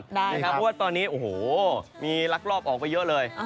เพราะว่าตอนนี้โอ้โหมีลักลอบออกไปเยอะเลย